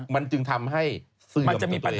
มันจึงทำให้เสื่อมตัวเอง